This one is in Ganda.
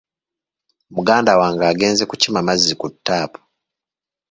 Muganda wange agenze kukima mazzi ku ttaapu.